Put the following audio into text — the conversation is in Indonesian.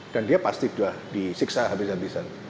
dan dia pasti sudah disiksa habis habisan